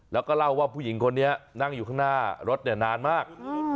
แล้วก็เล่าว่าผู้หญิงคนนี้นั่งอยู่ข้างหน้ารถเนี่ยนานมาก